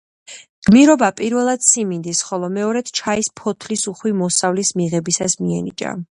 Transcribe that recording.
გმირობა პირველად სიმინდის, ხოლო მეორედ ჩაის ფოთლის უხვი მოსავლის მიღებისას მიენიჭა.